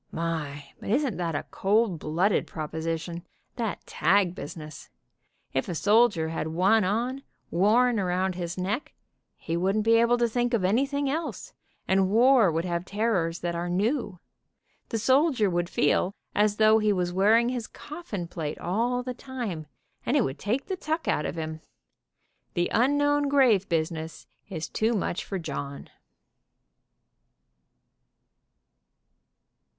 My, but isn't that a cold blooded proposition, that tag business. If a sol dier had one on, worn around his neck, he wouldn't be able to think of anything else, and war would have terrors that are new. The soldier would feel as though he was wearing his coffin plate all the time, and it would take the tuck out of him. The unknown grave business is too much for John."